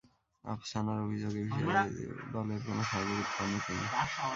আপসানার অভিযোগ, এ বিষয়েও দলের কোনো সহযোগিতা পাননি তিনি।